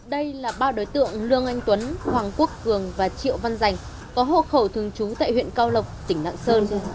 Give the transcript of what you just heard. đây là ba đối tượng lương anh tuấn hoàng quốc cường và triệu văn giành có hộ khẩu thường trú tại huyện cao lộc tỉnh lạng sơn